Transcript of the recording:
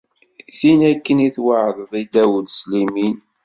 Tin akken i tweɛdeḍ i Dawed s limin.